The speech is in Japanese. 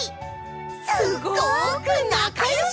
すごくなかよし！